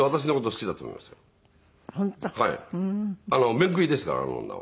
面食いですからあの女は。